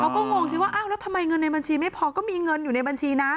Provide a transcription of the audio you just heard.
งงสิว่าอ้าวแล้วทำไมเงินในบัญชีไม่พอก็มีเงินอยู่ในบัญชีนะ